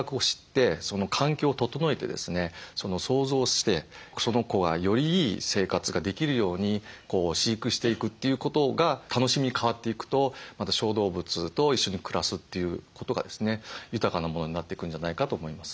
想像してその子がよりいい生活ができるように飼育していくということが楽しみに変わっていくとまた小動物と一緒に暮らすということがですね豊かなものになっていくんじゃないかと思います。